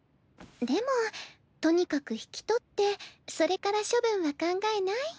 でもとにかく引き取ってそれから処分は考えない？